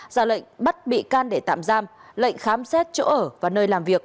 ra lệnh bắt bị can để tạm giam lệnh khám xét chỗ ở và nơi làm việc